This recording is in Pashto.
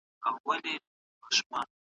د ښوونکو د تقاعد لپاره کوم منظم پلان نه و.